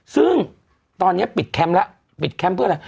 ซึ่งตอนนี้ปิดแคมป์แล้วปิดแคมป์เพื่ออะไร